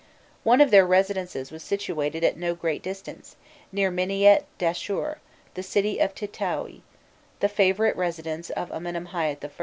One of their residences was situated at no great distance, near Miniet Dahshur, the city of Titoui, the favourite residence of Amenemhâîfc I.